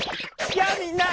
やあみんな！